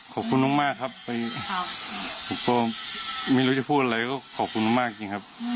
ขอบคุณมากไม่รู้ว่าจะพูดอะไร